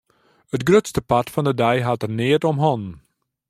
It grutste part fan de dei hat er neat om hannen.